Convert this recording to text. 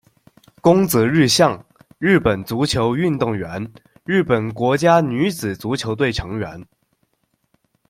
宫泽日向，日本足球运动员，日本国家女子足球队成员。